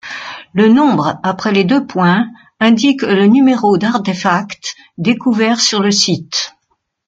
Le nombre après les deux-points indique le numéro d’artefact découvert sur le site.